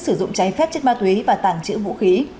sử dụng trái phép chất ma túy và tàng trữ vũ khí